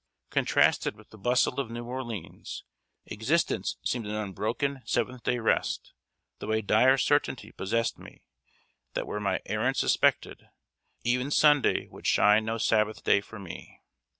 Contrasted with the bustle of New Orleans, existence seemed an unbroken seventh day rest, though a dire certainty possessed me, that were my errand suspected, e'en Sunday would shine no Sabbath day for me.